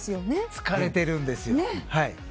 疲れてるんですよ。